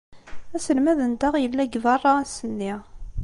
Aselmad-nteɣ yella deg beṛṛa ass-nni.